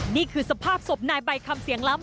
นี่คือสภาพศพนายใบคำเสียงล้ำ